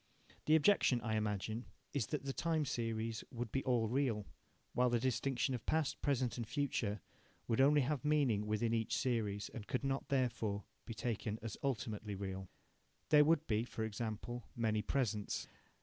The objection, I imagine, is that the time series would be all real, while the distinction of past, present, and future would only have meaning within each series, and could not, therefore, be taken as ultimately real. There would be, for example, many presents.